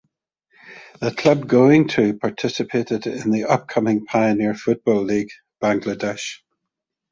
The club going to participated in the upcoming Pioneer Football League (Bangladesh).